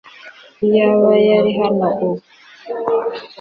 iyaba yari hano ubu